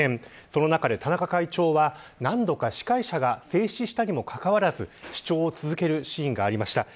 その中で田中会長は何度か、司会者が制止したにもかかわらず主張を続けるシーンがありました。